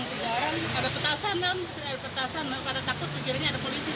yang tiga orang ada petasan